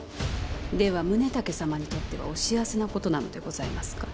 では宗武様にとってはお幸せなことなのでございますか？